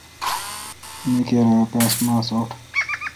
می کیر اؘ کاس ماس اوٹ۔